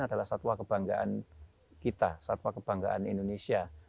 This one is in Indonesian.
adalah satwa kebanggaan kita satwa kebanggaan indonesia